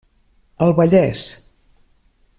El Vallès.